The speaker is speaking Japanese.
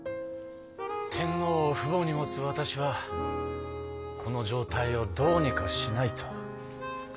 天皇を父母に持つわたしはこの状態をどうにかしないと。